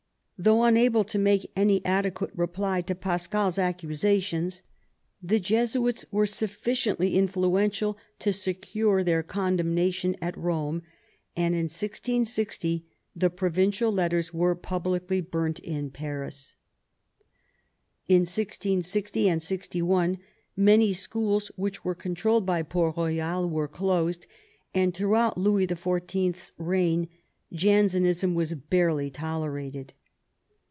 Though unable to make any ade quate reply to Pascal's accusations, the Jesuists were sufficiently influential to secure their condemnation at Borne, and in 1660 the Provincial Letters were publicly burnt in Paris. In 1660 and 1661 many schools which were controlled by Port Royal were closed, and through out Louis XIV.'s reign Jansenism was barely tolerated.